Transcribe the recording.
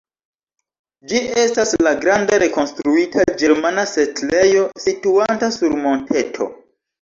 Ĝi estas la granda rekonstruita ĝermana setlejo situanta sur monteto.